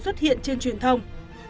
xuất hiện trên truyền thông